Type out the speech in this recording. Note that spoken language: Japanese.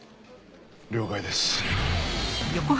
了解です。